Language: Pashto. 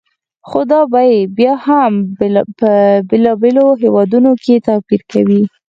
خو دا بیې بیا هم بېلابېلو هېوادونو کې توپیر کوي.